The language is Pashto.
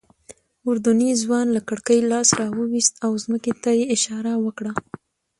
اردني ځوان له کړکۍ لاس راوویست او ځمکې ته یې اشاره وکړه.